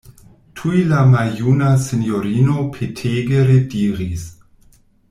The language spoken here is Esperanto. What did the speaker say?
Tuj la maljuna sinjorino petege rediris: